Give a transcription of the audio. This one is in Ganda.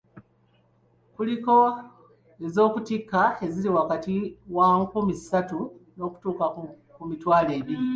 Kuliko ez'okutikka eziri wakati wa nkumi ssatu okutuuka ku mitwalo ebiri.